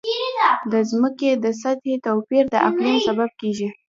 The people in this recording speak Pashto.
د ځمکې د سطحې توپیر د اقلیم سبب کېږي.